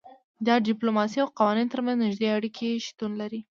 د ډیپلوماسي او قوانینو ترمنځ نږدې اړیکه شتون لري